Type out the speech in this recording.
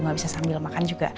gak bisa sambil makan juga